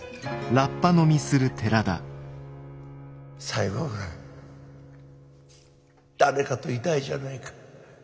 最後ぐらい誰かといたいじゃないか。